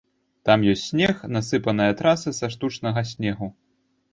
Там ёсць снег, насыпная траса са штучнага снегу.